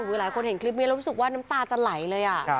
หลายคนเห็นคลิปนี้แล้วรู้สึกว่าน้ำตาจะไหลเลย